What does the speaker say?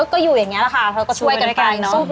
ก็อยู่อย่างเงี้ยค่ะช่วยกันด้วยนะ